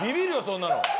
そんなの。